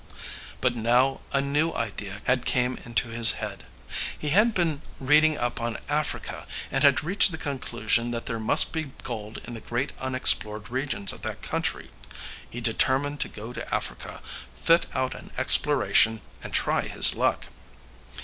But now a new idea had came into his head. He had been reading up on Africa, and had reached the conclusion that there must be gold in the great unexplored regions of that country. He determined to go to Africa, fit out an exploration, and try his luck.